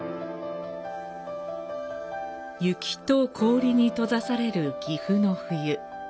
雪と氷に閉ざされる岐阜の冬。